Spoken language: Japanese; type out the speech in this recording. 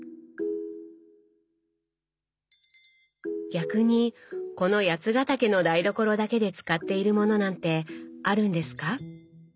逆にこの八ヶ岳の台所だけで使っているものなんてあるんですか？